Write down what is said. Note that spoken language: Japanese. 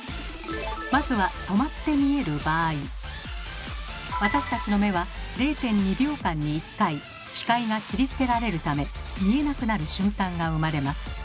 まずは私たちの目は０．２秒間に１回視界が切り捨てられるため見えなくなる瞬間が生まれます。